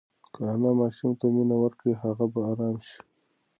که انا ماشوم ته مینه ورکړي هغه به ارام شي.